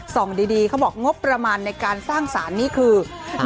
ส่องดีเขาบอกงบประมาณในการสร้างสารนี่คือ